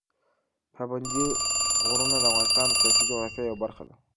پابندي غرونه د افغانستان د سیاسي جغرافیه یوه برخه ده.